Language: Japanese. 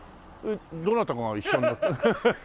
どなたが一緒に乗って。